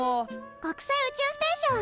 国際宇宙ステーション！